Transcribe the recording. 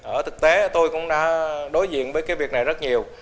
ở thực tế tôi cũng đã đối diện với cái việc này rất nhiều